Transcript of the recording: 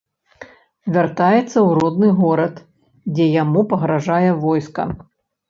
Вяртаецца ў родны горад, дзе яму пагражае войска.